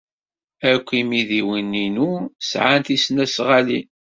Akk imidiwen-inu sɛan tisnasɣalin.